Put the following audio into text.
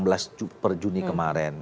dan enam belas per juni kemarin